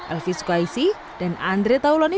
elvis kaisi dan andre taulani